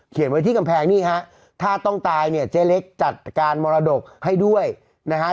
ไว้ที่กำแพงนี่ฮะถ้าต้องตายเนี่ยเจ๊เล็กจัดการมรดกให้ด้วยนะฮะ